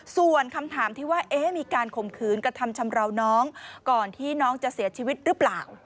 ส่วนคำถามที่ว่ามีการข่มขืนกระทำชำราวน้องก่อนที่น้องจะเสียชีวิตหรือเปล่า